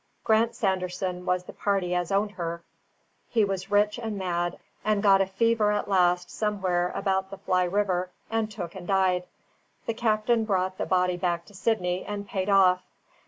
Grant Sanderson was the party as owned her; he was rich and mad, and got a fever at last somewhere about the Fly River, and took and died. The captain brought the body back to Sydney, and paid off.